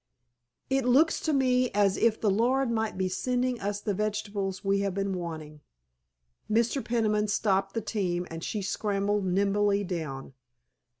It looks to me as if the Lord might be sending us the vegetables we have been wanting." Mr. Peniman stopped the team and she scrambled nimbly down.